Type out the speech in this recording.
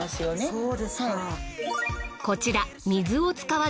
そうですか。